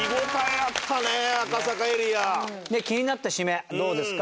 気になったシメどうですか？